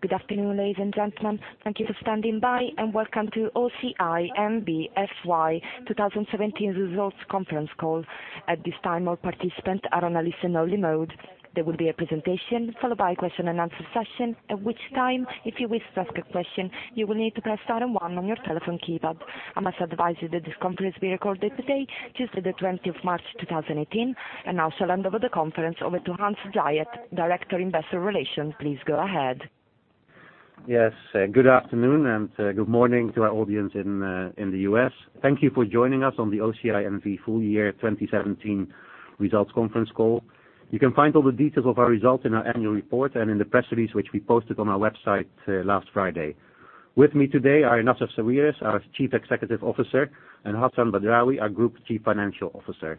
Good afternoon, ladies and gentlemen. Thank you for standing by, and welcome to OCI N.V. FY 2017 Results Conference Call. At this time, all participants are on a listen-only mode. There will be a presentation followed by a question-and-answer session, at which time, if you wish to ask a question, you will need to press star and one on your telephone keypad. I must advise you that this conference will be recorded today, Tuesday the 20th March 2018, and now shall hand over the conference over to Hans Driessen, Director of Investor Relations. Please go ahead. Yes. Good afternoon, and good morning to our audience in the U.S. Thank you for joining us on the OCI N.V. full year 2017 results conference call. You can find all the details of our results in our annual report and in the press release, which we posted on our website last Friday. With me today are Nassef Sawiris, our Chief Executive Officer, and Hassan Badrawi, our Group Chief Financial Officer.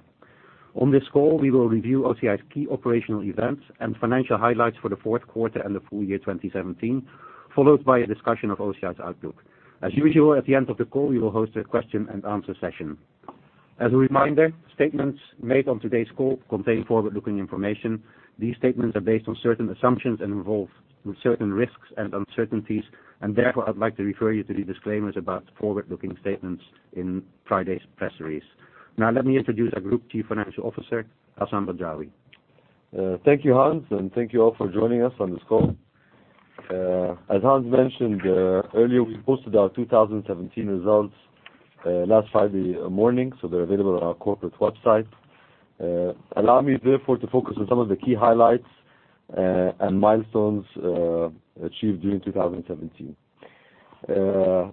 On this call, we will review OCI's key operational events and financial highlights for the fourth quarter and the full year 2017, followed by a discussion of OCI's outlook. As usual, at the end of the call, we will host a question-and-answer session. As a reminder, statements made on today's call contain forward-looking information. These statements are based on certain assumptions and involve certain risks and uncertainties, and therefore, I'd like to refer you to the disclaimers about forward-looking statements in Friday's press release. Now let me introduce our Group Chief Financial Officer, Hassan Badrawi. Thank you, Hans, and thank you all for joining us on this call. As Hans mentioned earlier, we posted our 2017 results last Friday morning, so they're available on our corporate website. Allow me therefore to focus on some of the key highlights and milestones achieved during 2017.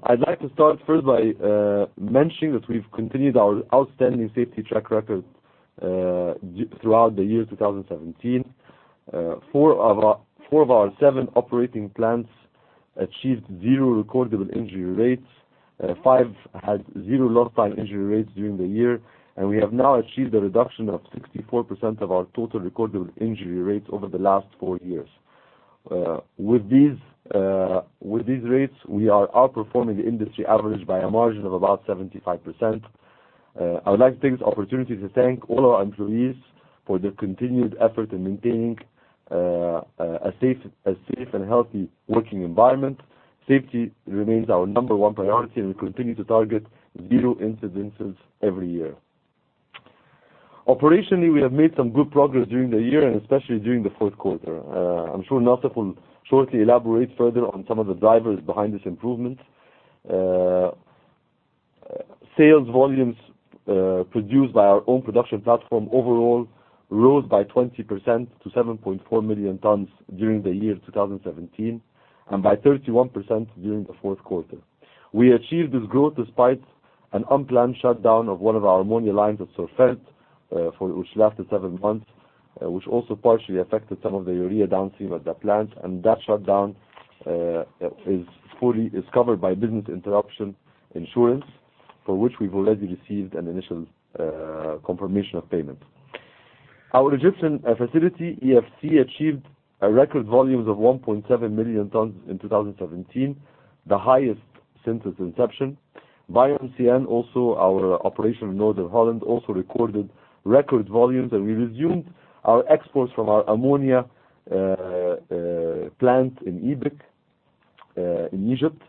I'd like to start first by mentioning that we've continued our outstanding safety track record throughout the year 2017. Four of our seven operating plants achieved zero recordable injury rates. Five had zero lost-time injury rates during the year, and we have now achieved a reduction of 64% of our total recordable injury rates over the last four years. With these rates, we are outperforming the industry average by a margin of about 75%. I would like to take this opportunity to thank all our employees for their continued effort in maintaining a safe and healthy working environment. Safety remains our number one priority. We continue to target zero incidences every year. Operationally, we have made some good progress during the year and especially during the fourth quarter. I'm sure Nassef will shortly elaborate further on some of the drivers behind this improvement. Sales volumes produced by our own production platform overall rose by 20% to 7.4 million tons during the year 2017, and by 31% during the fourth quarter. We achieved this growth despite an unplanned shutdown of one of our ammonia lines at Sorfert, which lasted 7 months, which also partially affected some of the urea downstream at that plant. That shutdown is covered by business interruption insurance, for which we've already received an initial confirmation of payment. Our Egyptian facility, EFC, achieved record volumes of 1.7 million tons in 2017, the highest since its inception. BioMCN, our operation in Northern Holland, also recorded record volumes. We resumed our exports from our ammonia plant in EBIC in Egypt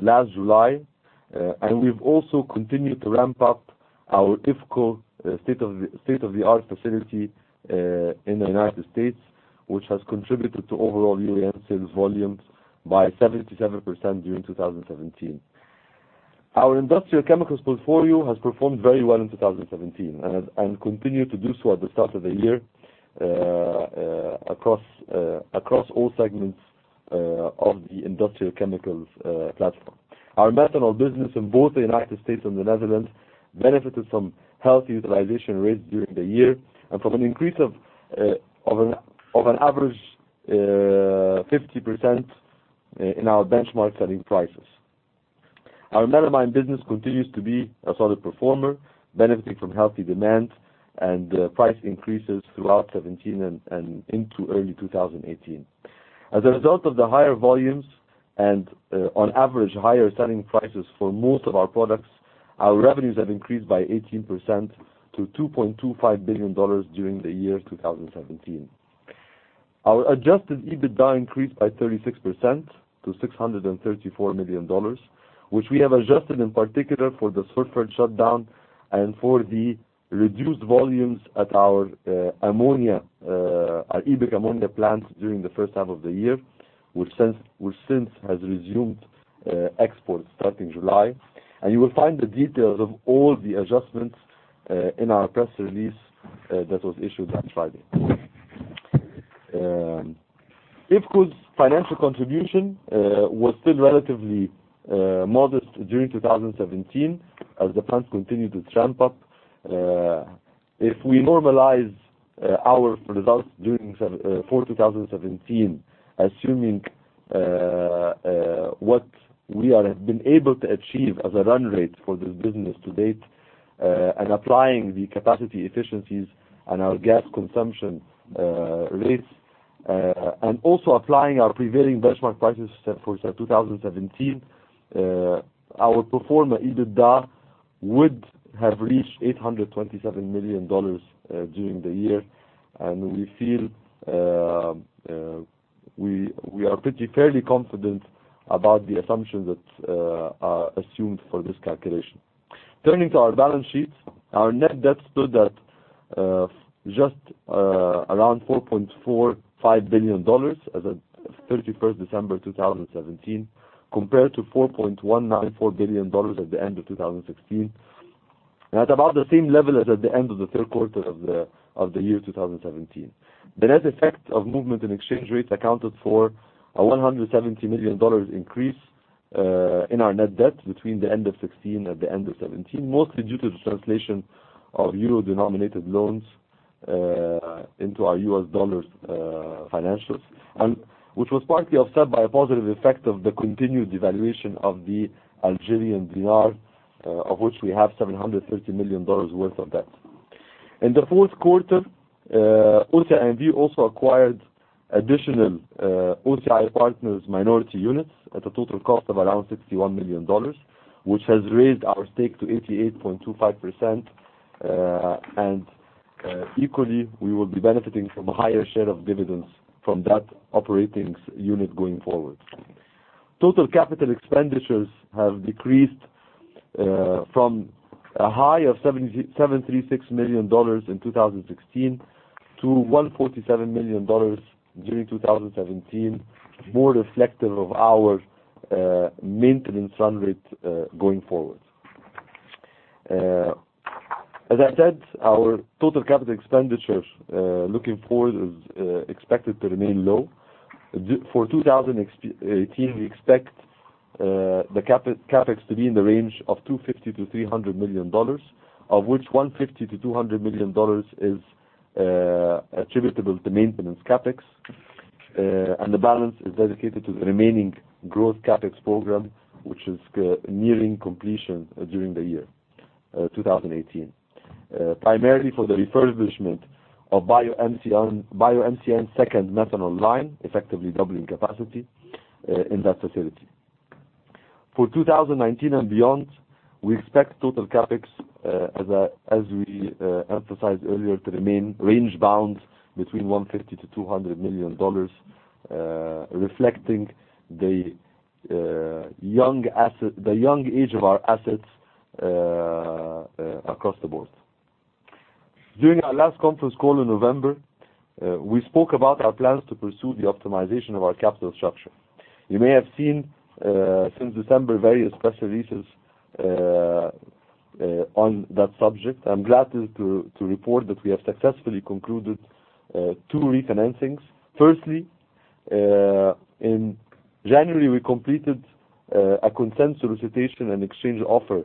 last July. We've also continued to ramp up our IFCo state-of-the-art facility in the United States, which has contributed to overall urea sales volumes by 77% during 2017. Our industrial chemicals portfolio has performed very well in 2017 and continued to do so at the start of the year across all segments of the industrial chemicals platform. Our methanol business in both the United States and the Netherlands benefited from healthy utilization rates during the year and from an increase of an average 50% in our benchmark selling prices. Our melamine business continues to be a solid performer, benefiting from healthy demand and price increases throughout 2017 and into early 2018. As a result of the higher volumes and on average higher selling prices for most of our products, our revenues have increased by 18% to $2.25 billion during the year 2017. Our adjusted EBITDA increased by 36% to $634 million, which we have adjusted in particular for the Sorfert shutdown and for the reduced volumes at our EBIC ammonia plants during the first half of the year, which since has resumed exports starting July. You will find the details of all the adjustments in our press release that was issued last Friday. IFCo's financial contribution was still relatively modest during 2017 as the plants continued to ramp up. If we normalize our results for 2017, assuming what we have been able to achieve as a run rate for this business to date, and applying the capacity efficiencies and our gas consumption rates, also applying our prevailing benchmark prices set for 2017, our pro forma EBITDA would have reached $827 million during the year. We feel we are pretty fairly confident about the assumptions that are assumed for this calculation. Turning to our balance sheet, our net debt stood at just around $4.45 billion as at 31st December 2017, compared to $4.194 billion at the end of 2016, and at about the same level as at the end of the third quarter of the year 2017. The net effect of movement in exchange rates accounted for a $170 million increase in our net debt between the end of 2016 and the end of 2017, mostly due to the translation of euro-denominated loans into our US dollars financials, which was partly offset by a positive effect of the continued devaluation of the Algerian dinar, of which we have DZD 730 million worth of debt. In the fourth quarter, OCI N.V. also acquired additional OCI Partners minority units at a total cost of around $61 million, which has raised our stake to 88.25%, and equally, we will be benefiting from a higher share of dividends from that operating unit going forward. Total capital expenditures have decreased from a high of $736 million in 2016 to $147 million during 2017, more reflective of our maintenance run rate going forward. As I said, our total capital expenditures, looking forward, is expected to remain low. For 2018, we expect the CapEx to be in the range of $250 million-$300 million, of which $150 million-$200 million is attributable to maintenance CapEx. The balance is dedicated to the remaining growth CapEx program, which is nearing completion during the year 2018, primarily for the refurbishment of BioMCN's second methanol line, effectively doubling capacity in that facility. For 2019 and beyond, we expect total CapEx, as we emphasized earlier, to remain range bound between $150 million and $200 million, reflecting the young age of our assets across the board. During our last conference call in November, we spoke about our plans to pursue the optimization of our capital structure. You may have seen, since December, various press releases on that subject. I'm glad to report that we have successfully concluded two refinancings. Firstly, in January, we completed a consent solicitation and exchange offer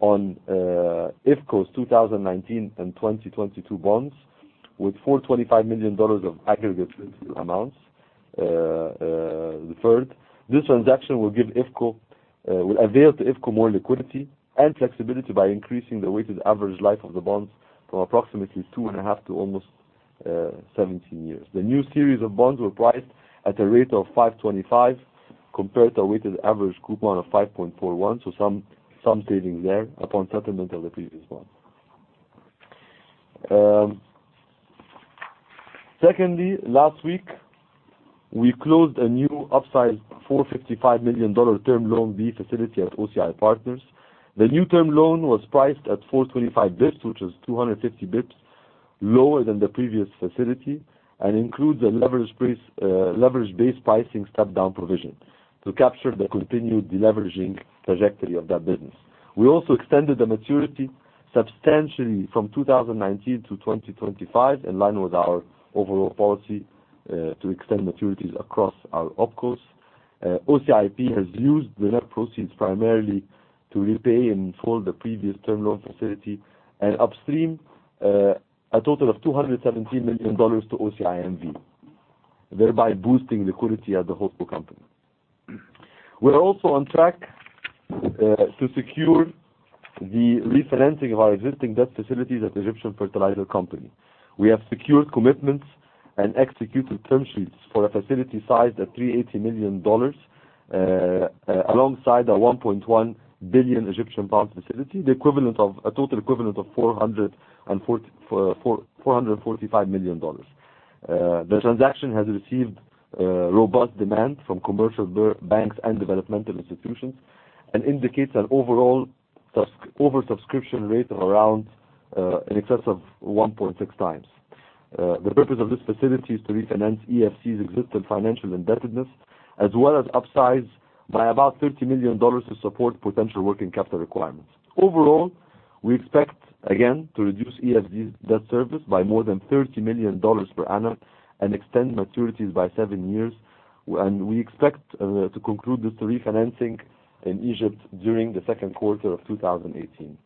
on IFCo's 2019 and 2022 bonds with $425 million of aggregate amounts deferred. This transaction will avail to IFCo more liquidity and flexibility by increasing the weighted average life of the bonds from approximately two and a half to almost 17 years. The new series of bonds were priced at a rate of 5.25%, compared to a weighted average coupon of 5.41%, so some savings there upon settlement of the previous bond. Secondly, last week, we closed a new upsized $455 million Term Loan B facility at OCI Partners. The new term loan was priced at 425 bps, which is 250 bps lower than the previous facility and includes a leverage-based pricing step-down provision to capture the continued deleveraging trajectory of that business. We also extended the maturity substantially from 2019 to 2025, in line with our overall policy to extend maturities across our Opcos. OCIP has used the net proceeds primarily to repay in full the previous term loan facility and upstream a total of $217 million to OCI N.V., thereby boosting liquidity at the holdco company. We are also on track to secure the refinancing of our existing debt facilities at Egyptian Fertilizer Company. We have secured commitments and executed term sheets for a facility sized at $380 million, alongside an 1.1 billion Egyptian pound facility, a total equivalent of $445 million. The transaction has received robust demand from commercial banks and developmental institutions and indicates an overall oversubscription rate in excess of 1.6 times. The purpose of this facility is to refinance EFC's existing financial indebtedness, as well as upsize by about $30 million to support potential working capital requirements. Overall, we expect, again, to reduce EFC's debt service by more than $30 million per annum and extend maturities by 7 years. We expect to conclude this refinancing in Egypt during the second quarter of 2018.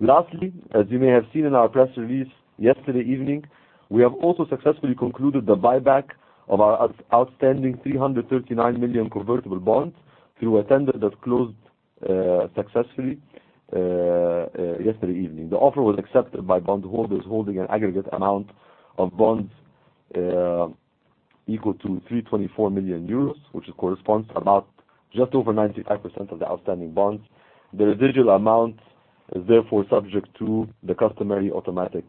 Lastly, as you may have seen in our press release yesterday evening, we have also successfully concluded the buyback of our outstanding 339 million convertible bonds through a tender that closed successfully yesterday evening. The offer was accepted by bondholders holding an aggregate amount of bonds equal to €324 million, which corresponds to about just over 95% of the outstanding bonds. The residual amount is therefore subject to the customary automatic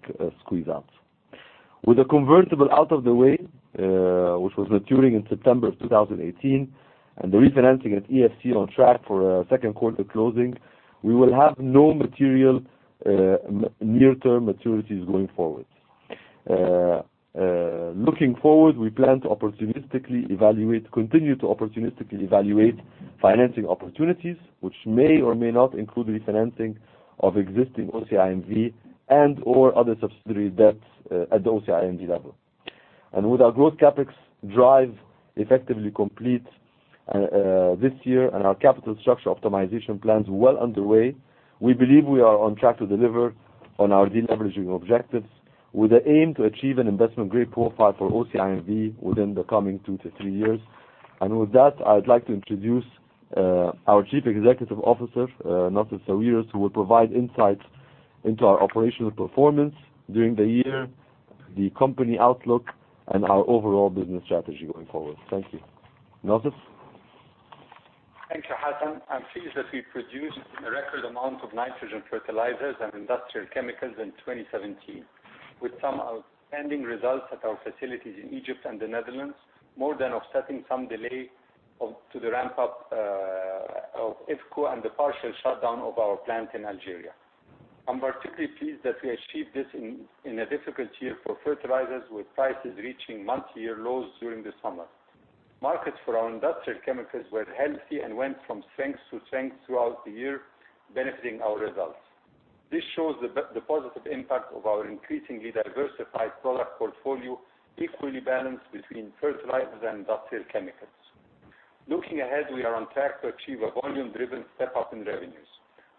squeeze out. With the convertible out of the way, which was maturing in September of 2018, and the refinancing at EFC on track for a second quarter closing, we will have no material near-term maturities going forward. Looking forward, we plan to continue to opportunistically evaluate financing opportunities, which may or may not include refinancing of existing OCI N.V. and or other subsidiary debts at the OCI N.V. level. With our growth CapEx drive effectively complete this year and our capital structure optimization plans well underway, we believe we are on track to deliver on our de-leveraging objectives with the aim to achieve an investment-grade profile for OCI N.V. within the coming two to three years. With that, I would like to introduce our Chief Executive Officer, Nassef Sawiris, who will provide insights into our operational performance during the year, the company outlook, and our overall business strategy going forward. Thank you. Nawaf? Thank you, Hassan. I'm pleased that we produced a record amount of nitrogen fertilizers and industrial chemicals in 2017, with some outstanding results at our facilities in Egypt and the Netherlands, more than offsetting some delay to the ramp-up of IFCo and the partial shutdown of our plant in Algeria. I'm particularly pleased that we achieved this in a difficult year for fertilizers, with prices reaching multi-year lows during the summer. Markets for our industrial chemicals were healthy and went from strength to strength throughout the year, benefiting our results. This shows the positive impact of our increasingly diversified product portfolio, equally balanced between fertilizers and industrial chemicals. Looking ahead, we are on track to achieve a volume-driven step-up in revenues.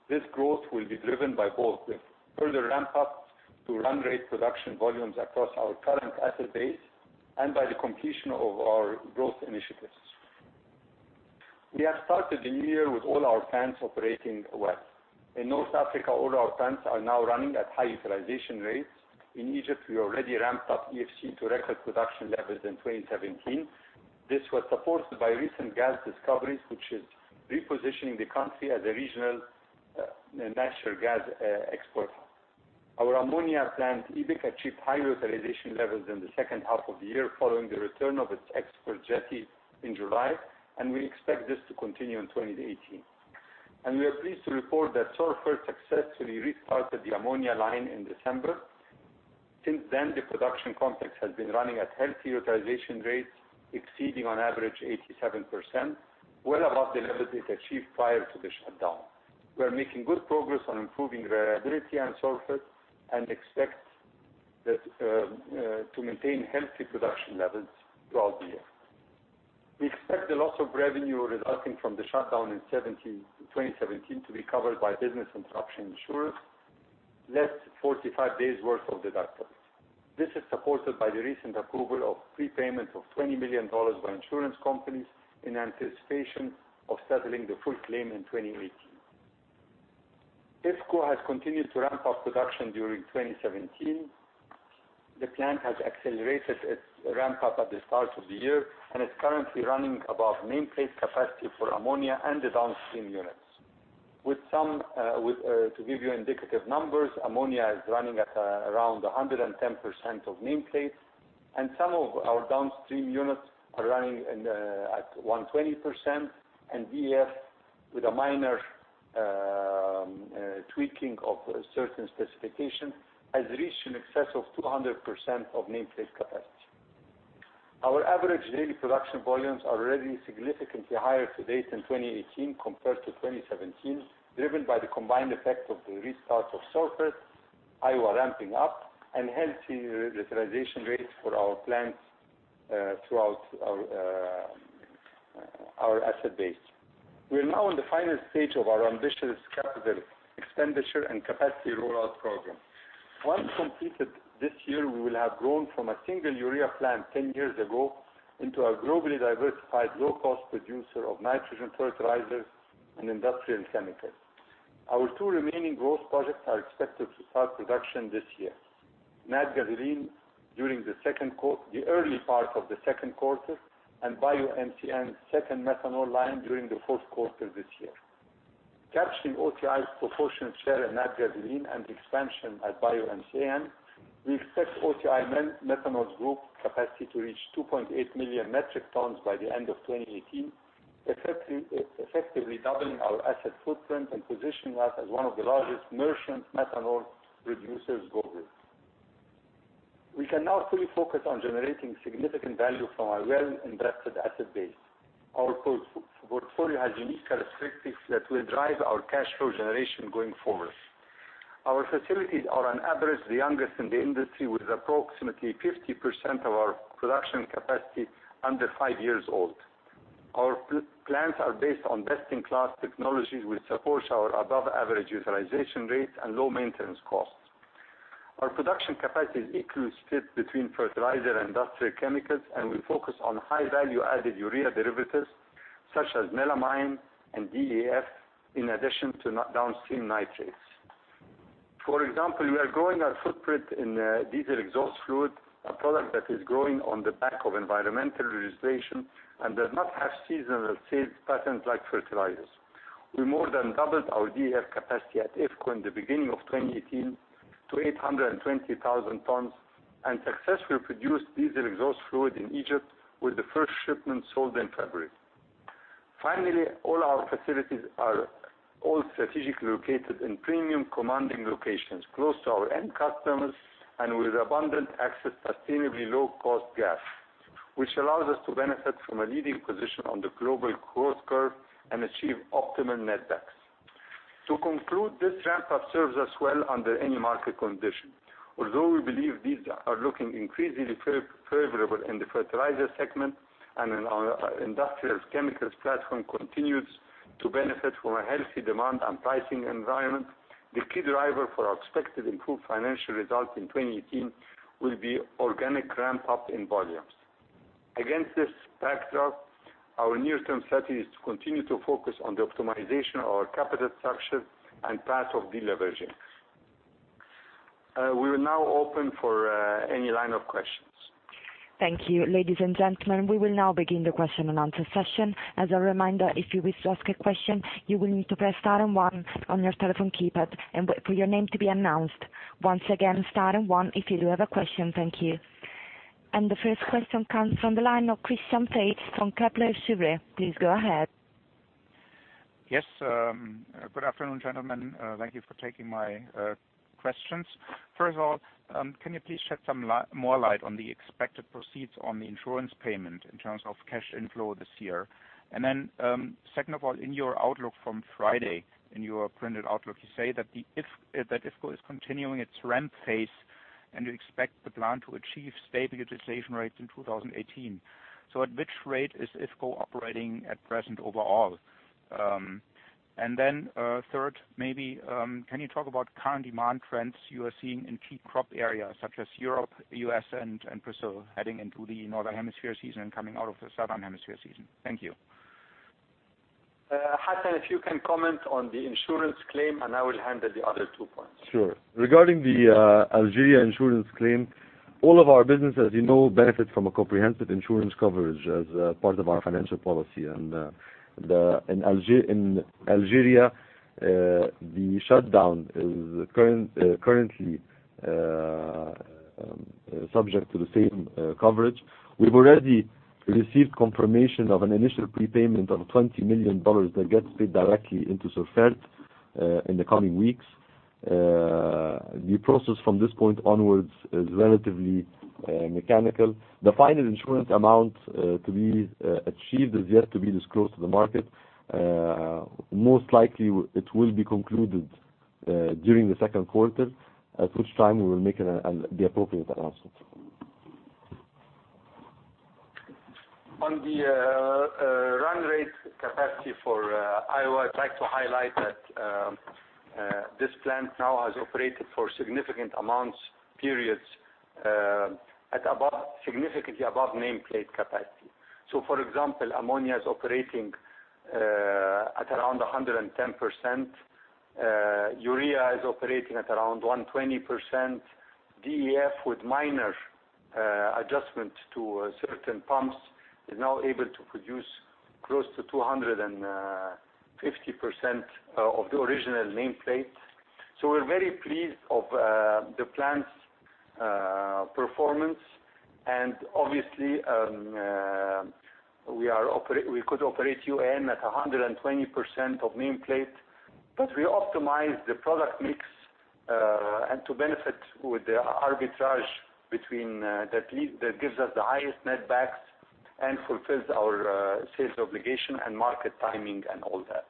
This growth will be driven by both the further ramp-up to run rate production volumes across our current asset base and by the completion of our growth initiatives. We have started the year with all our plants operating well. In North Africa, all our plants are now running at high utilization rates. In Egypt, we already ramped up EFC to record production levels in 2017. This was supported by recent gas discoveries, which is repositioning the country as a regional natural gas exporter. Our ammonia plant, EBIC, achieved high utilization levels in the second half of the year following the return of its export jetty in July, and we expect this to continue in 2018. We are pleased to report that Sorfert successfully restarted the ammonia line in December. Since then, the production complex has been running at healthy utilization rates, exceeding on average 87%, well above the level it achieved prior to the shutdown. We are making good progress on improving reliability at Sorfert and expect to maintain healthy production levels throughout the year. We expect the loss of revenue resulting from the shutdown in 2017 to be covered by business interruption insurance, less 45 days' worth of deductibles. This is supported by the recent approval of prepayment of $20 million by insurance companies in anticipation of settling the full claim in 2018. IFCo has continued to ramp up production during 2017. The plant has accelerated its ramp-up at the start of the year and is currently running above nameplate capacity for ammonia and the downstream units. To give you indicative numbers, ammonia is running at around 110% of nameplate, and some of our downstream units are running at 120%, and DEF, with a minor tweaking of certain specifications, has reached in excess of 200% of nameplate capacity. Our average daily production volumes are already significantly higher to date in 2018 compared to 2017, driven by the combined effect of the restart of Sorfert, Iowa ramping up, and healthy utilization rates for our plants throughout our asset base. We are now in the final stage of our ambitious CapEx and capacity rollout program. Once completed this year, we will have grown from a single urea plant 10 years ago into a globally diversified, low-cost producer of nitrogen fertilizers and industrial chemicals. Our two remaining growth projects are expected to start production this year. Natgasoline during the early part of the second quarter, and BioMCN's second methanol line during the fourth quarter this year. Capturing OCI's proportionate share in Natgasoline and expansion at BioMCN, we expect OCI Methanol Group capacity to reach 2.8 million metric tons by the end of 2018, effectively doubling our asset footprint and positioning us as one of the largest merchant methanol producers globally. We can now fully focus on generating significant value from our well-endowed asset base. Our portfolio has unique characteristics that will drive our cash flow generation going forward. Our facilities are on average the youngest in the industry, with approximately 50% of our production capacity under five years old. Our plants are based on best-in-class technologies, which supports our above-average utilization rates and low maintenance costs. Our production capacity is equally split between fertilizer and industrial chemicals, and we focus on high-value added urea derivatives such as melamine and DEF, in addition to downstream nitrates. For example, we are growing our footprint in diesel exhaust fluid, a product that is growing on the back of environmental legislation and does not have seasonal sales patterns like fertilizers. We more than doubled our DEF capacity at IFCo in the beginning of 2018 to 820,000 tons, and successfully produced diesel exhaust fluid in Egypt, with the first shipment sold in February. Finally, all our facilities are strategically located in premium commanding locations, close to our end customers, and with abundant access to sustainably low-cost gas, which allows us to benefit from a leading position on the global cost curve and achieve optimal netbacks. To conclude, this ramp-up serves us well under any market condition. Although we believe these are looking increasingly favorable in the fertilizer segment, and in our industrial chemicals platform continues to benefit from a healthy demand and pricing environment, the key driver for our expected improved financial results in 2018 will be organic ramp-up in volumes. Against this backdrop, our near-term strategy is to continue to focus on the optimization of our capital structure and path of de-leveraging. We're now open for any line of questions. Thank you. Ladies and gentlemen, we will now begin the question and answer session. As a reminder, if you wish to ask a question, you will need to press star and one on your telephone keypad and wait for your name to be announced. Once again, star and one if you do have a question. Thank you. The first question comes from the line of Christian Faitz from Kepler Cheuvreux. Please go ahead. Yes. Good afternoon, gentlemen. Thank you for taking my questions. First of all, can you please shed some more light on the expected proceeds on the insurance payment in terms of cash inflow this year? Second of all, in your outlook from Friday, in your printed outlook, you say that IFCo is continuing its ramp phase, and you expect the plant to achieve stable utilization rates in 2018. At which rate is IFCo operating at present overall? Third, maybe, can you talk about current demand trends you are seeing in key crop areas such as Europe, U.S., and Brazil heading into the Northern Hemisphere season, coming out of the Southern Hemisphere season? Thank you. Hassan, if you can comment on the insurance claim, I will handle the other two points. Sure. Regarding the Algeria insurance claim, all of our businesses benefit from a comprehensive insurance coverage as part of our financial policy. In Algeria, the shutdown is currently subject to the same coverage. We've already received confirmation of an initial prepayment of $20 million that gets paid directly into Sorfert in the coming weeks. The process from this point onwards is relatively mechanical. The final insurance amount to be achieved is yet to be disclosed to the market. Most likely, it will be concluded during the second quarter, at which time we will make the appropriate announcement. On the run rate capacity for Iowa, I'd like to highlight that this plant now has operated for significant amounts, periods, significantly above nameplate capacity. For example, ammonia is operating at around 110%. Urea is operating at around 120%. DEF, with minor adjustments to certain pumps, is now able to produce close to 250% of the original nameplate. We're very pleased of the plant's performance. Obviously, we could operate UAN at 120% of nameplate, but we optimize the product mix, and to benefit with the arbitrage that gives us the highest netbacks and fulfills our sales obligation and market timing and all that.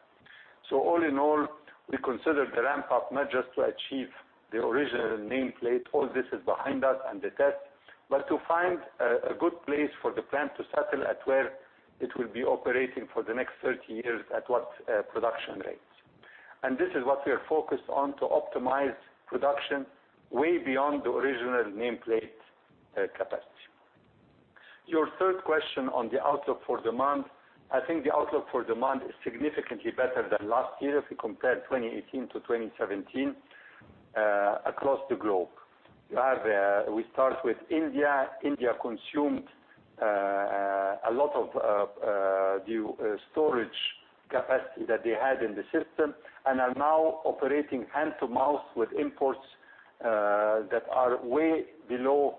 All in all, we consider the ramp-up not just to achieve the original nameplate, all this is behind us and the test, but to find a good place for the plant to settle at where it will be operating for the next 30 years, at what production rates. This is what we are focused on to optimize production way beyond the original nameplate capacity. Your third question on the outlook for demand, I think the outlook for demand is significantly better than last year if we compare 2018 to 2017, across the globe. We start with India. India consumed a lot of the storage capacity that they had in the system and are now operating hand-to-mouth with imports that are way below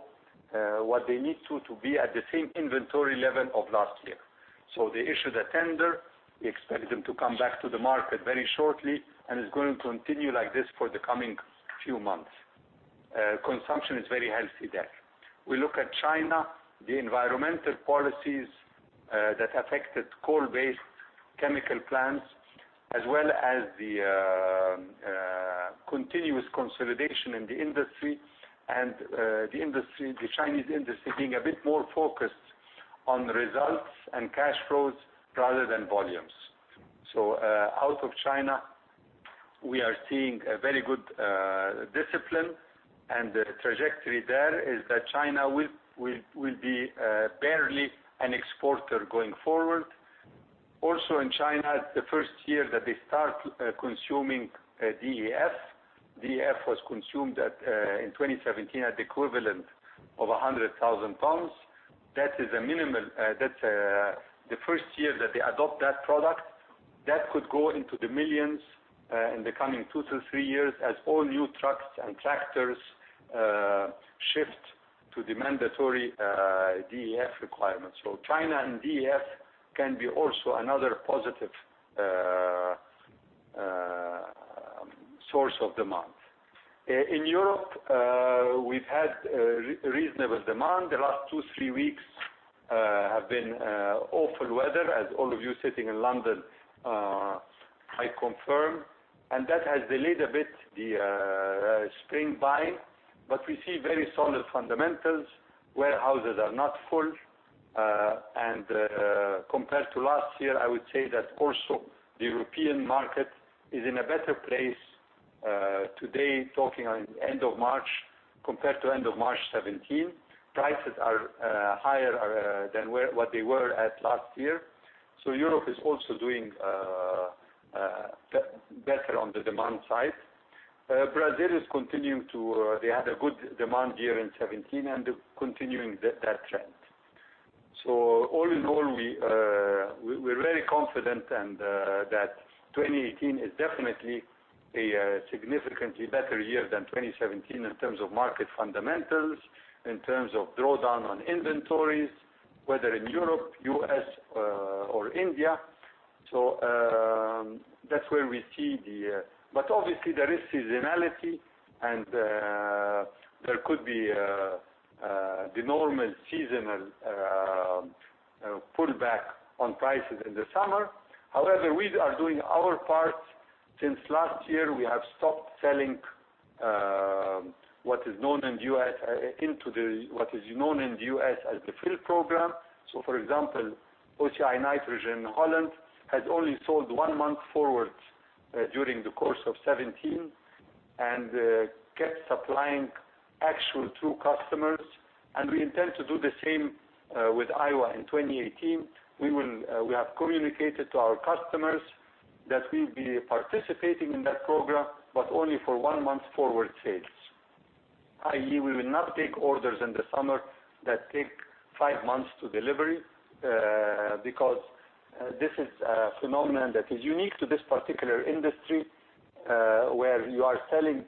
what they need to be at the same inventory level of last year. They issued a tender. We expect them to come back to the market very shortly, it's going to continue like this for the coming few months. Consumption is very healthy there. We look at China, the environmental policies that affected coal-based chemical plants, as well as the continuous consolidation in the industry, the Chinese industry being a bit more focused on results and cash flows rather than volumes. Out of China, we are seeing a very good discipline, the trajectory there is that China will be barely an exporter going forward. In China, the first year that they start consuming DEF. DEF was consumed in 2017 at the equivalent of 100,000 tons. That's the first year that they adopt that product. That could go into the millions in the coming two to three years as all new trucks and tractors shift to the mandatory DEF requirements. China and DEF can be also another positive source of demand. In Europe, we've had reasonable demand. The last two, three weeks have been awful weather as all of you sitting in London, I confirm, and that has delayed a bit the spring buy, but we see very solid fundamentals. Warehouses are not full. Compared to last year, I would say that also the European market is in a better place today, talking on end of March, compared to end of March 2017. Prices are higher than what they were at last year. Europe is also doing better on the demand side. Brazil, they had a good demand year in 2017, and they're continuing that trend. All in all, we're very confident that 2018 is definitely a significantly better year than 2017 in terms of market fundamentals, in terms of drawdown on inventories, whether in Europe, U.S., or India. Obviously there is seasonality and there could be the normal seasonal pullback on prices in the summer. However, we are doing our part. Since last year, we have stopped selling what is known in the U.S. as the fill program. For example, OCI Nitrogen Holland has only sold one month forward during the course of 2017, and kept supplying actual true customers. We intend to do the same with Iowa in 2018. We have communicated to our customers that we'll be participating in that program, but only for one-month forward sales, i.e., we will not take orders in the summer that take five months to delivery, because this is a phenomenon that is unique to this particular industry, where you are selling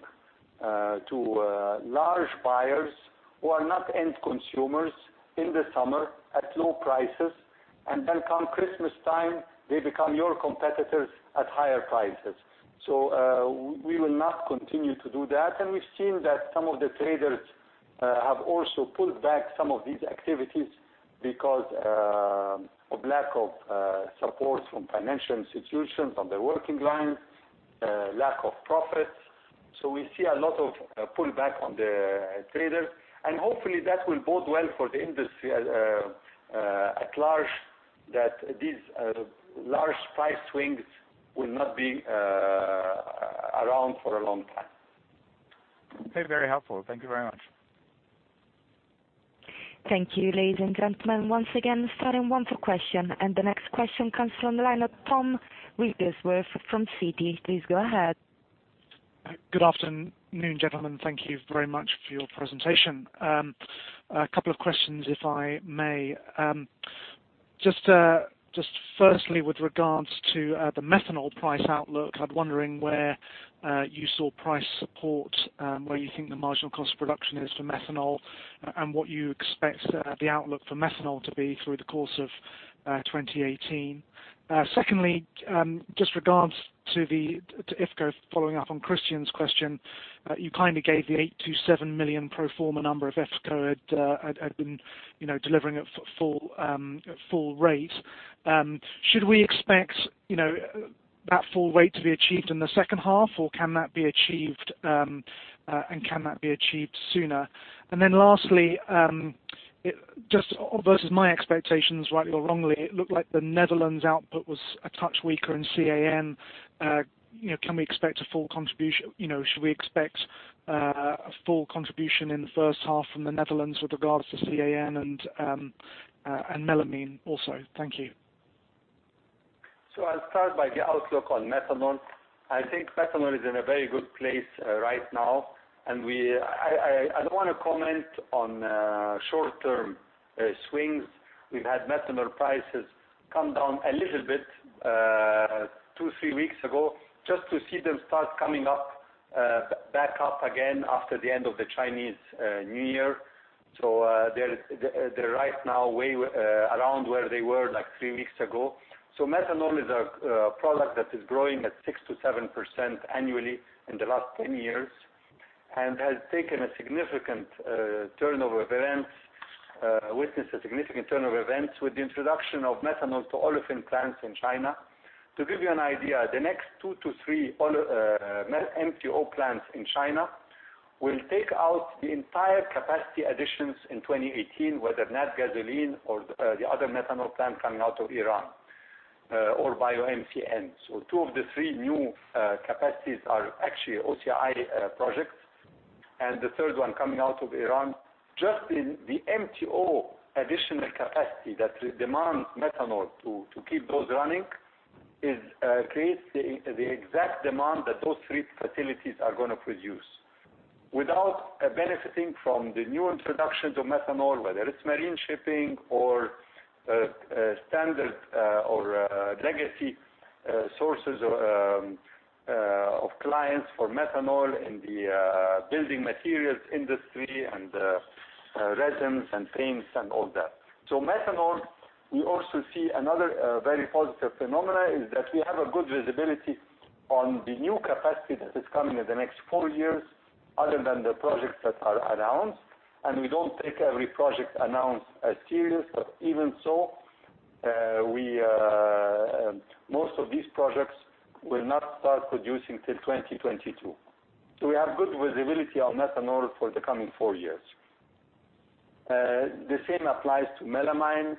to large buyers who are not end consumers in the summer at low prices, and then come Christmas time, they become your competitors at higher prices. We will not continue to do that. We've seen that some of the traders have also pulled back some of these activities because of lack of support from financial institutions, from the working line, lack of profits. We see a lot of pullback on the traders, and hopefully that will bode well for the industry at large, that these large price swings will not be around for a long time. Okay. Very helpful. Thank you very much. Thank you. Ladies and gentlemen, once again, starting one for question. The next question comes from the line of Tom Riedersworth from Citi. Please go ahead. Good afternoon, gentlemen. Thank you very much for your presentation. A couple of questions, if I may. Just firstly, with regards to the methanol price outlook, I'm wondering where you saw price support, where you think the marginal cost production is for methanol, and what you expect the outlook for methanol to be through the course of 2018. Secondly, just regards to IFCo, following up on Christian's question, you kindly gave the $827 million pro forma number of IFCo had been delivering at full rate. Should we expect that full rate to be achieved in the second half, or can that be achieved, and can that be achieved sooner? Then lastly, versus my expectations, rightly or wrongly, it looked like the Netherlands output was a touch weaker in CAN. Should we expect a full contribution in the first half from the Netherlands with regards to CAN and melamine also? Thank you. I'll start by the outlook on methanol. I think methanol is in a very good place right now, and I don't want to comment on short-term swings. We've had methanol prices come down a little bit two, three weeks ago, just to see them start coming back up again after the end of the Chinese New Year. They're right now around where they were like three weeks ago. Methanol is a product that is growing at 6%-7% annually in the last 10 years, and witnessed a significant turn of events with the introduction of methanol to olefin plants in China. To give you an idea, the next two to three MTO plants in China will take out the entire capacity additions in 2018, whether Natgasoline or the other methanol plant coming out of Iran, or BioMCN. Two of the three new capacities are actually OCI projects. The third one coming out of Iran. Just in the MTO additional capacity that demands methanol to keep those running, creates the exact demand that those three facilities are going to produce. Without benefiting from the new introductions of methanol, whether it's marine shipping or standard or legacy sources of clients for methanol in the building materials industry and resins and paints and all that. Methanol, we also see another very positive phenomena, is that we have a good visibility on the new capacity that is coming in the next four years, other than the projects that are announced. We don't take every project announced as serious, but even so, most of these projects will not start producing till 2022. We have good visibility on methanol for the coming four years. The same applies to melamine.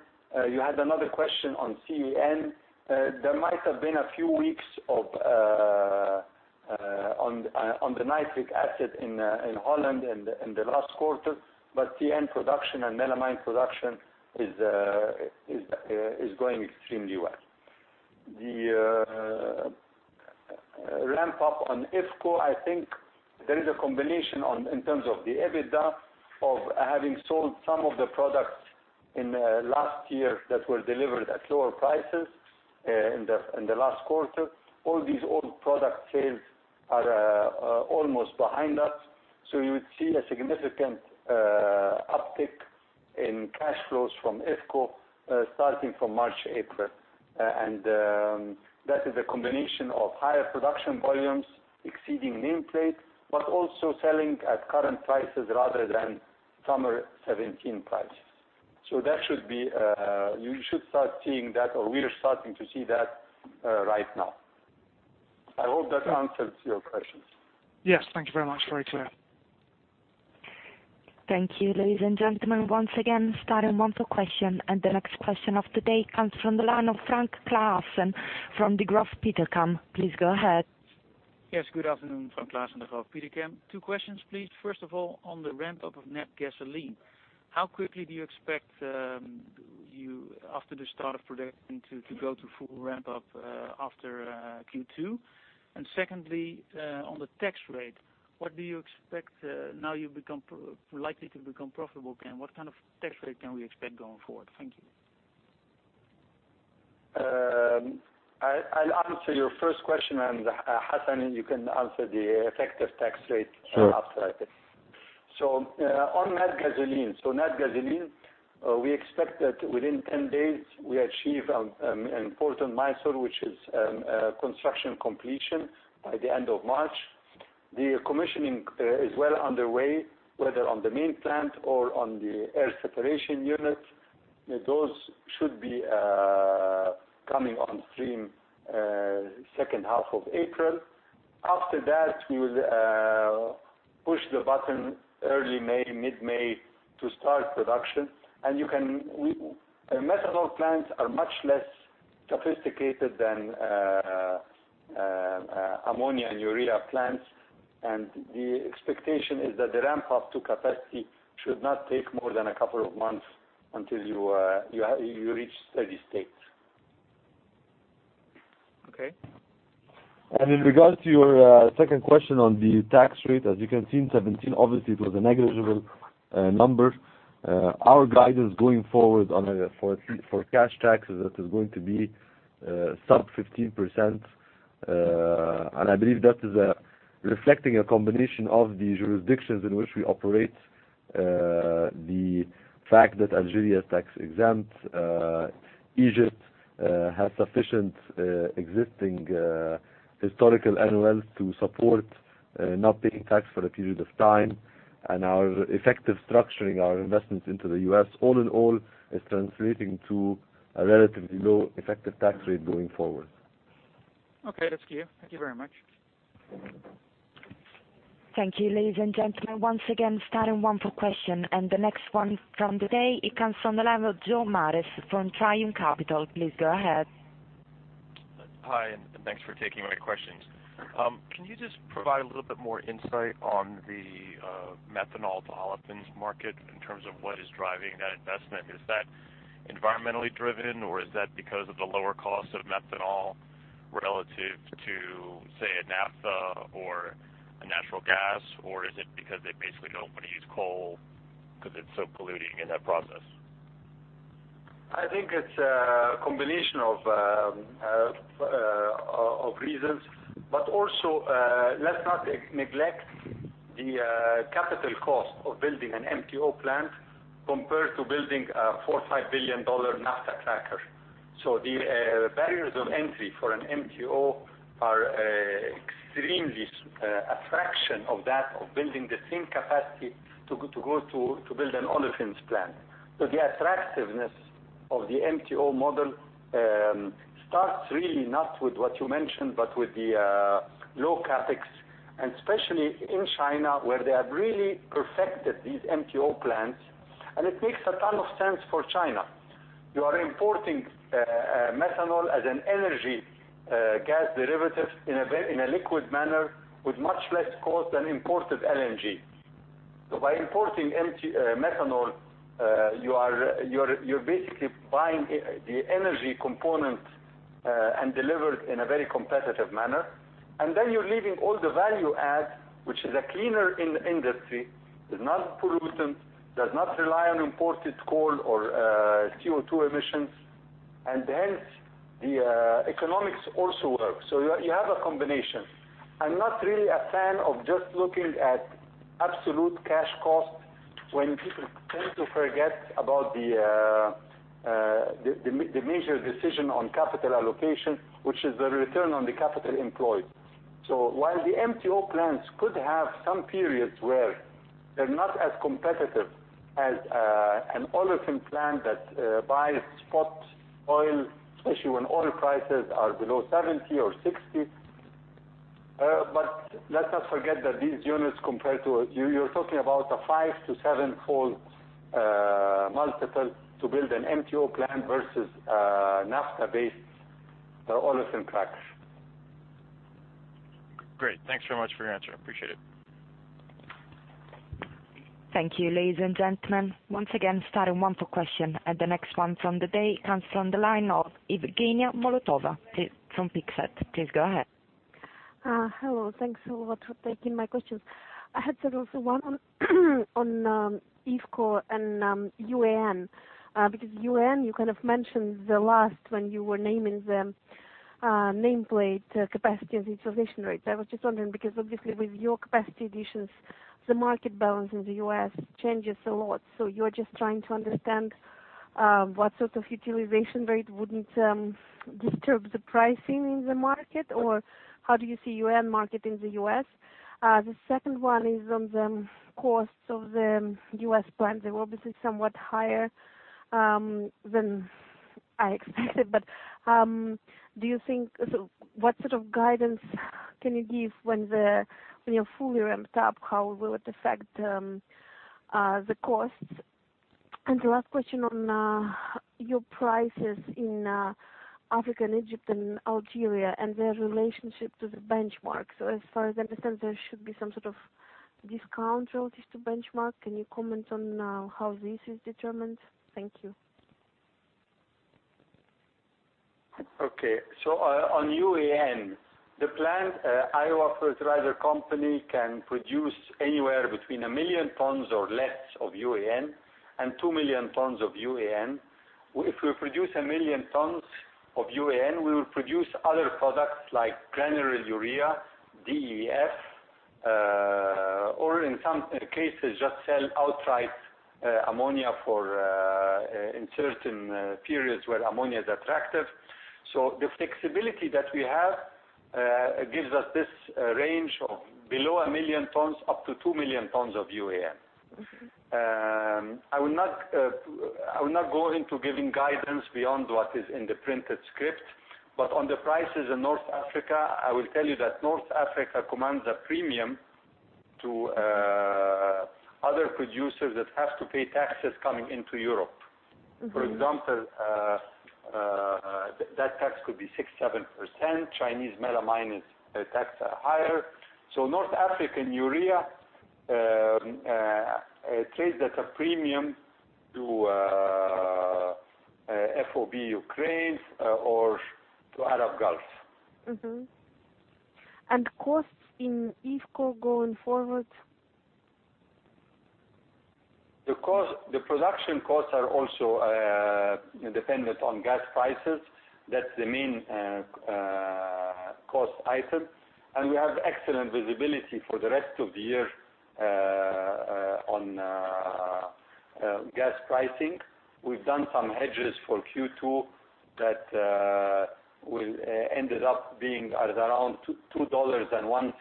You had another question on CAN. There might have been a few weeks on the nitric acid in Holland in the last quarter, but CAN production and melamine production is going extremely well. The ramp-up on IFCO, I think there is a combination, in terms of the EBITDA, of having sold some of the products in last year that were delivered at lower prices in the last quarter. All these old product sales are almost behind us. You would see a significant uptick in cash flows from IFCO, starting from March, April. That is a combination of higher production volumes exceeding nameplate, but also selling at current prices rather than summer 2017 prices. You should start seeing that, or we are starting to see that right now. I hope that answers your questions. Yes. Thank you very much. Very clear. Thank you, ladies and gentlemen, once again, star and one for question. The next question of the day comes from the line of Frank Claassen from Degroof Petercam. Please go ahead. Yes, good afternoon. Frank Claassen, Degroof Petercam. Two questions, please. First of all, on the ramp-up of Natgasoline, how quickly do you expect, after the start of production, to go to full ramp-up after Q2? Secondly, on the tax rate, what do you expect now you're likely to become profitable again, what kind of tax rate can we expect going forward? Thank you. I'll answer your first question, and Hassan, you can answer the effective tax rate after. Sure. On Natgasoline, we expect that within 10 days, we achieve an important milestone, which is construction completion by the end of March. The commissioning is well underway, whether on the main plant or on the air separation unit. Those should be coming on stream second half of April. After that, we will push the button early May, mid-May to start production. Methanol plants are much less sophisticated than ammonia and urea plants, and the expectation is that the ramp-up to capacity should not take more than a couple of months until you reach steady state. Okay. In regards to your second question on the tax rate, as you can see, in 2017, obviously it was a negligible number. Our guide is going forward for cash taxes, that is going to be sub 15%. I believe that is reflecting a combination of the jurisdictions in which we operate, the fact that Algeria is tax exempt, Egypt has sufficient existing historical NOLs to support not paying tax for a period of time, and our effective structuring our investments into the U.S. All in all, is translating to a relatively low effective tax rate going forward. Okay, that's clear. Thank you very much. Thank you, ladies and gentlemen, once again, star 1 for question. The next one from today, it comes from the line of Joe Mares from Trium Capital. Please go ahead. Hi, thanks for taking my questions. Can you just provide a little bit more insight on the methanol to olefins market in terms of what is driving that investment? Is that environmentally driven, or is that because of the lower cost of methanol relative to, say, a naphtha or a natural gas, or is it because they basically don't want to use coal because it's so polluting in that process? I think it's a combination of reasons. Also, let's not neglect the capital cost of building an MTO plant compared to building a $4 billion or $5 billion naphtha cracker. The barriers of entry for an MTO are extremely a fraction of that, of building the same capacity to build an olefins plant. The attractiveness of the MTO model starts really not with what you mentioned, but with the low CapEx, and especially in China, where they have really perfected these MTO plants. It makes a ton of sense for China. You are importing methanol as an energy gas derivative in a liquid manner with much less cost than imported LNG. By importing methanol, you are basically buying the energy component and delivered in a very competitive manner. You're leaving all the value add, which is a cleaner industry, does not pollute, does not rely on imported coal or CO2 emissions, and hence the economics also work. You have a combination. I'm not really a fan of just looking at absolute cash costs when people tend to forget about the major decision on capital allocation, which is the return on the capital employed. While the MTO plants could have some periods where they're not as competitive as an olefin plant that buys spot oil, especially when oil prices are below 70 or 60. Let us not forget that these units compared to You're talking about a five to sevenfold multiple to build an MTO plant versus a naphtha-based olefin crackers. Great. Thanks very much for your answer. Appreciate it. Thank you, ladies and gentlemen. Once again, star and one for question. The next one from the day comes from the line of Evgenia Molotova from Pictet. Please go ahead. Hello. Thanks a lot for taking my questions. I had sort of one on IFCo and UAN. UAN, you kind of mentioned the last when you were naming the nameplate capacity and utilization rates. I was just wondering because obviously with your capacity additions, the market balance in the U.S. changes a lot. You're just trying to understand what sort of utilization rate wouldn't disturb the pricing in the market, or how do you see UAN market in the U.S.? The second one is on the costs of the U.S. plant. They were obviously somewhat higher than I expected, but what sort of guidance can you give when you're fully ramped up? How will it affect the costs? The last question on your prices in Africa and Egypt and Algeria and their relationship to the benchmark. As far as I understand, there should be some sort of discount relative to benchmark. Can you comment on how this is determined? Thank you. Okay. On UAN, the plant, Iowa Fertilizer Company, can produce anywhere between 1 million tons or less of UAN and 2 million tons of UAN. If we produce 1 million tons of UAN, we will produce other products like granular urea, DEF, or in some cases just sell outright ammonia in certain periods where ammonia is attractive. The flexibility that we have gives us this range of below 1 million tons, up to 2 million tons of UAN. I will not go into giving guidance beyond what is in the printed script. On the prices in North Africa, I will tell you that North Africa commands a premium to other producers that have to pay taxes coming into Europe. For example, that tax could be 6%, 7%. Chinese melamine's tax are higher. North African urea trades at a premium to FOB Ukraine or to Arab Gulf. Mm-hmm. Costs in IFCo going forward? The production costs are also dependent on gas prices. That's the main cost item, and we have excellent visibility for the rest of the year on gas pricing. We've done some hedges for Q2 that will ended up being at around $2.10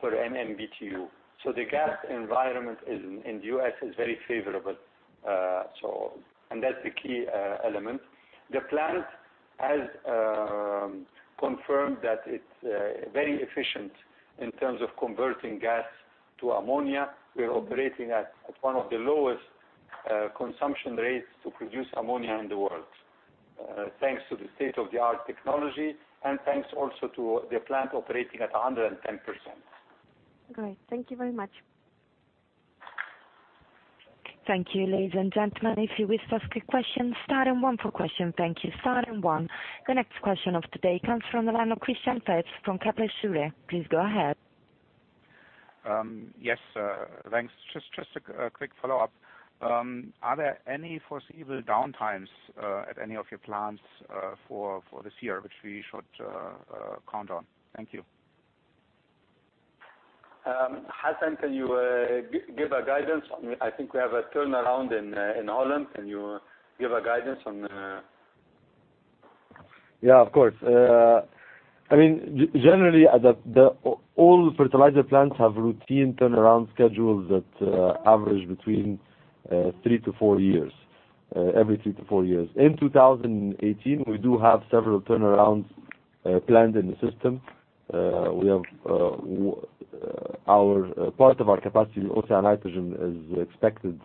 per MMBtu. The gas environment in the U.S. is very favorable. That's the key element. The plant has confirmed that it's very efficient in terms of converting gas to ammonia. We are operating at one of the lowest consumption rates to produce ammonia in the world. Thanks to the state-of-the-art technology and thanks also to the plant operating at 110%. Great. Thank you very much. Thank you, ladies and gentlemen. If you wish to ask a question, star and one for question. Thank you. Star and one. The next question of today comes from the line of Christian Faitz from Kepler Cheuvreux. Please go ahead. Yes, thanks. Just a quick follow-up. Are there any foreseeable downtimes at any of your plants for this year, which we should count on? Thank you. Hassan, can you give a guidance on, I think we have a turnaround in Holland. Yeah, of course. Generally, all fertilizer plants have routine turnaround schedules that average between 3-4 years. In 2018, we do have several turnarounds planned in the system. Part of our capacity, OCI Nitrogen, is expected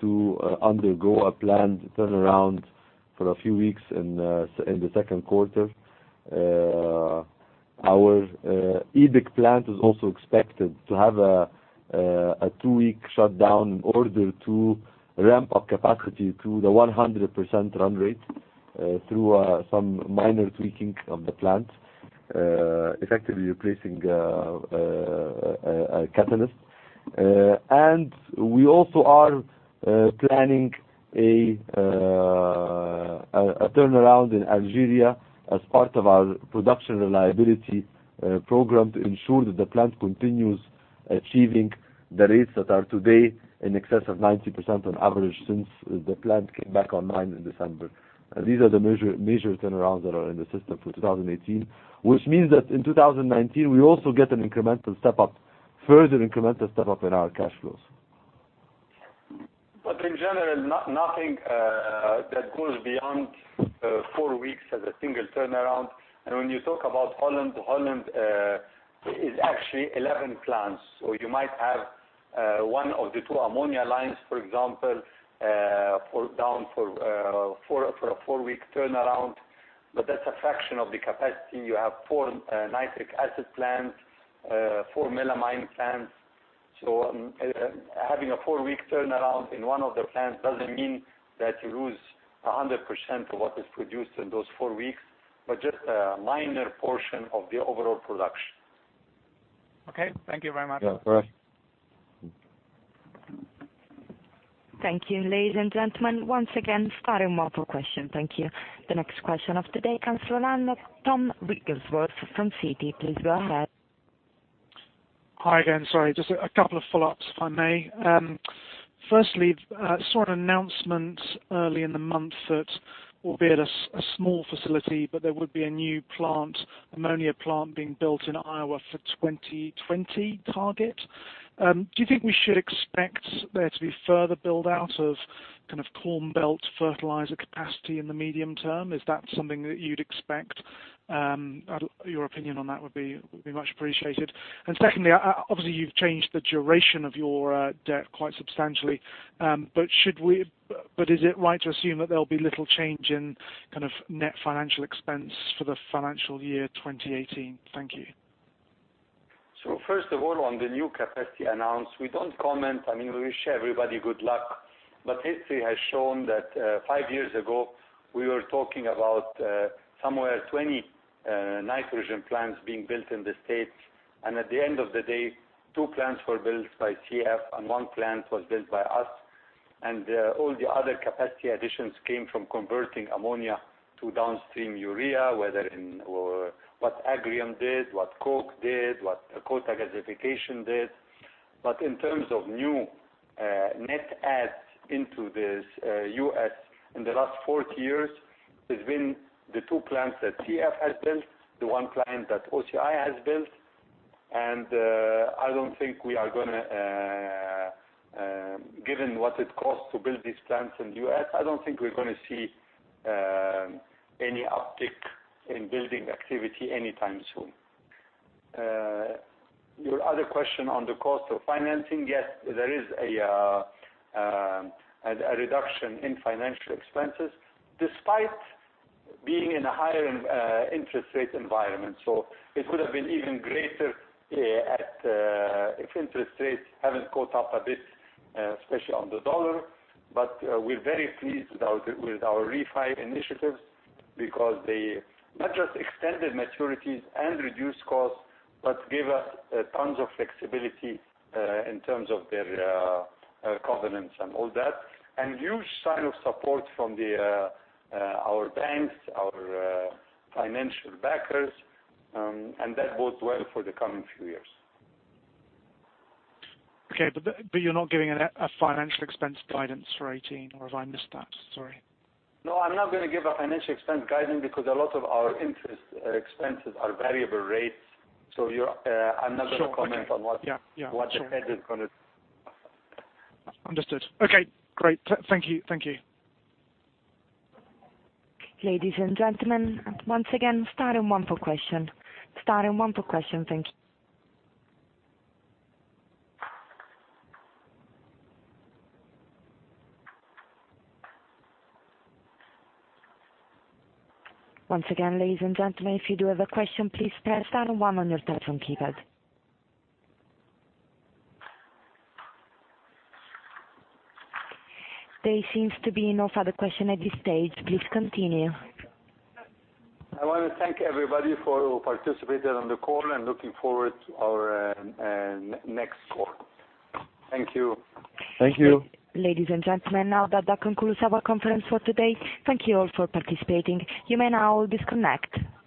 to undergo a planned turnaround for a few weeks in the second quarter. Our EBIC plant is also expected to have a two-week shutdown in order to ramp up capacity to the 100% run rate through some minor tweaking of the plant, effectively replacing a catalyst. We also are planning a turnaround in Algeria as part of our production reliability program to ensure that the plant continues achieving the rates that are today in excess of 90% on average since the plant came back online in December. These are the major turnarounds that are in the system for 2018, which means that in 2019, we also get an incremental step-up, further incremental step-up in our cash flows. In general, nothing that goes beyond four weeks as a single turnaround. When you talk about Holland is actually 11 plants. You might have one of the two ammonia lines, for example, down for a four-week turnaround, but that's a fraction of the capacity. You have four nitric acid plants, four melamine plants. Having a four-week turnaround in one of the plants doesn't mean that you lose 100% of what is produced in those four weeks, but just a minor portion of the overall production. Okay. Thank you very much. Yeah, correct. Thank you. Ladies and gentlemen, once again, star 1 for question. Thank you. The next question of the day comes from the line of Tom Wigglesworth from Citi. Please go ahead. Hi again. Sorry, just a couple of follow-ups, if I may. Firstly, saw an announcement early in the month that albeit a small facility, but there would be a new plant, ammonia plant being built in Iowa for 2020 target. Do you think we should expect there to be further build-out of kind of corn belt fertilizer capacity in the medium term? Is that something that you'd expect? Your opinion on that would be much appreciated. Secondly, obviously, you've changed the duration of your debt quite substantially. Is it right to assume that there'll be little change in net financial expense for the financial year 2018? Thank you. First of all, on the new capacity announced, we don't comment. We wish everybody good luck, but history has shown that five years ago, we were talking about somewhere 20 nitrogen plants being built in the U.S., and at the end of the day, two plants were built by CF and one plant was built by us, and all the other capacity additions came from converting ammonia to downstream urea, whether in what Agrium did, what Koch did, what Dakota Gasification did. In terms of new net adds into this U.S. in the last 40 years, there's been the two plants that CF has built, the one plant that OCI has built, and given what it costs to build these plants in the U.S., I don't think we're going to see any uptick in building activity anytime soon. Your other question on the cost of financing, yes, there is a reduction in financial expenses despite being in a higher interest rate environment. It could have been even greater if interest rates haven't caught up a bit, especially on the dollar. We're very pleased with our refi initiatives because they not just extended maturities and reduced costs, but gave us tons of flexibility in terms of their covenants and all that. Huge sign of support from our banks, our financial backers, and that bodes well for the coming few years. You're not giving a financial expense guidance for 2018, or have I missed that? Sorry. No, I'm not going to give a financial expense guidance because a lot of our interest expenses are variable rates. I'm not going to comment on what- Sure. Okay. Yeah. The Fed is going to. Understood. Okay, great. Thank you. Ladies and gentlemen, once again, star and one for question. Star and one for question, thank you. Once again, ladies and gentlemen, if you do have a question, please press star and one on your telephone keypad. There seems to be no further question at this stage. Please continue. I want to thank everybody for participating on the call and looking forward to our next call. Thank you. Thank you. Ladies and gentlemen, now that concludes our conference for today. Thank you all for participating. You may now disconnect.